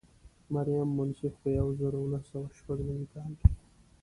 مریم منصف په یو زر او نهه سوه شپږ نوي کال کې.